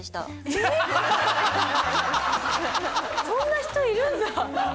そんな人いるんだ。